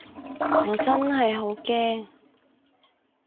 我真係好驚